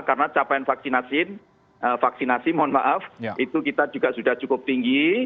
karena capaian vaksinasi vaksinasi mohon maaf itu kita juga sudah cukup tinggi